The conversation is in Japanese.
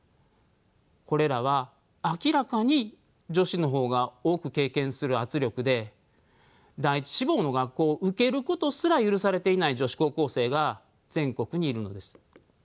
これらは明らかに女子の方が多く経験する圧力で第１志望の学校を受けることすら許されていない女子高校生が全国にいるのです。